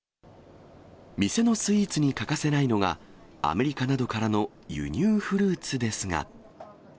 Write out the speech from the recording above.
店のスイーツに欠かせないのが、アメリカなどからの輸入フルーツですが。